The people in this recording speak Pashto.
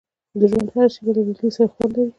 • د ژوند هره شېبه له ملګري سره خوند لري.